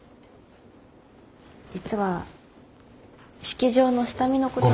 実は式場の下見のこと。